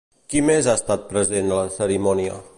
Qui més ha estat present a la cerimònia?